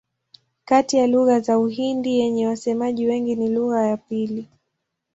Kati ya lugha za Uhindi zenye wasemaji wengi ni lugha ya pili.